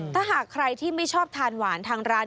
ถ้าหากใครที่ไม่ชอบทานหวานทางร้าน